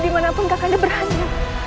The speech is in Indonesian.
dimanapun kakanda berada